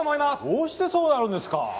どうしてそうなるんですか？